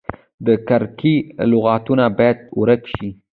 د کرکې لغتونه باید ورک شي.